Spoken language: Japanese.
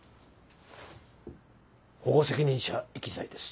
保護責任者遺棄罪です。